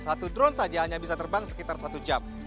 satu drone saja hanya bisa terbang sekitar satu jam